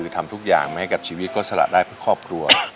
ทำทุกอย่างไม่ให้กับชีวิตก็สละได้พวกครอบครัว